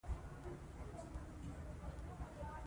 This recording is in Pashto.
باسواده نجونې د انلاین بانکدارۍ څخه ګټه اخلي.